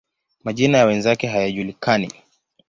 Majina ya wenzake hayajulikani.